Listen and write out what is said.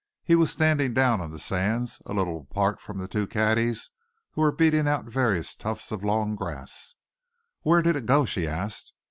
He was standing down on the sands, a little apart from the two caddies who were beating out various tufts of long grass. "Where did it go?" she asked.